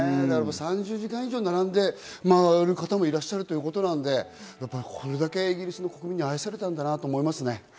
３０時間以上並んでという方もいらっしゃるということで、これだけイギリスの国民に愛されたんだなと思いますね。